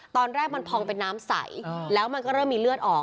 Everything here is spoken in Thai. ตอนแรกมันพองเป็นน้ำใสแล้วมันก็เริ่มมีเลือดออก